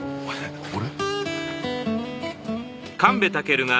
俺？